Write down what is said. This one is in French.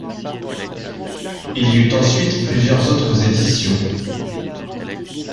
Il y eut ensuite plusieurs autres éditions.